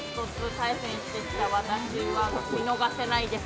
対決してきた私は見逃せないです。